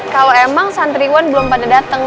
kalo emang santriwan belum pada dateng